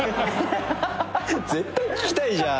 絶対聞きたいじゃん！